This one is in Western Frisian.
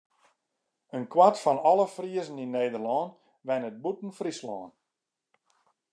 In kwart fan alle Friezen yn Nederlân wennet bûten Fryslân.